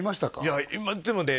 いや今でもね